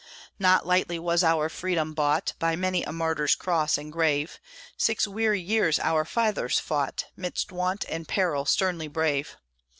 Not lightly was our freedom bought, By many a martyr's cross and grave; Six weary years our fathers fought, 'Midst want and peril, sternly brave.